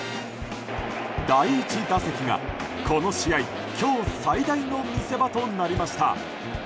第１打席が、この試合今日最大の見せ場となりました。